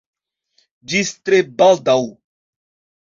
Ĝis tre baldaŭ!